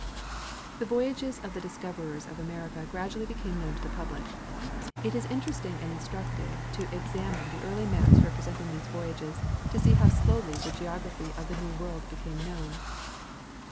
The voyages of the discoverers of America gradually became known to the public. It is interesting and instructive to exam ine the early maps representing these voyages to see how slowly the geography of the new world became known.